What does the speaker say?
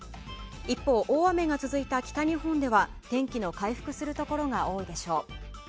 一方、大雨が続いた北日本では天気の回復するところが多いでしょう。